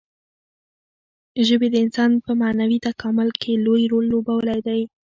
ژبې د انسان په معنوي تکامل کې لوی رول لوبولی دی.